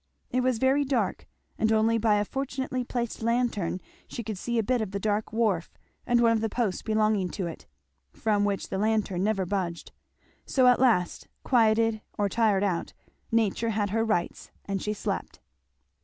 It was very dark, and only by a fortunately placed lantern she could see a bit of the dark wharf and one of the posts belonging to it, from which the lantern never budged; so at last, quieted or tired out, nature had her rights, and she slept.